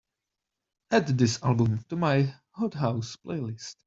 Add this album to my hot house playlist